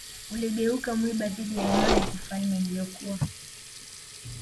uligeuka kuwa mwiba dhidi ya himaya ya kifalme iliyokuwa